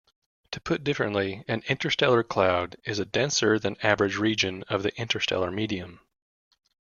Put differently, an interstellar cloud is a denser-than-average region of the interstellar medium.